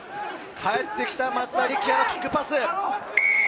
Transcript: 帰ってきた松田力也のキックパス。